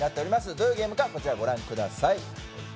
どういうゲームか、こちらをご覧ください。